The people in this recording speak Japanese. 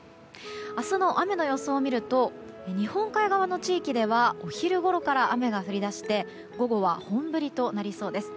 明日の雨の予想を見ると日本海側の地域ではお昼ごろから雨が降り出して午後は本降りとなりそうです。